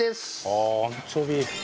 ああアンチョビ。